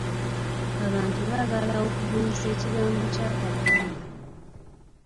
Abantu baagala okubunyisa ekigambo kya Katonda.